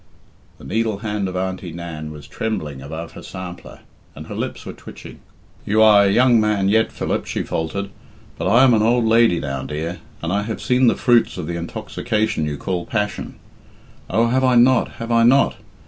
The needle hand of Auntie Nan was trembling above her sampler, and her lips were twitching. "You are a young man yet, Philip," she faltered, "but I am an old lady now, dear, and I have seen the fruits of the intoxication you call passion. Oh, have I not, have I not?